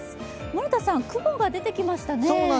森田さん、雲が出てきましたね。